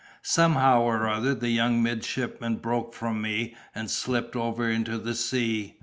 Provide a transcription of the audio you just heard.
Somehow or other the young midshipman broke from me and slipped over into the sea.